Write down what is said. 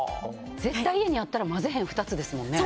絶対家にあったら混ぜへん２つですもんね。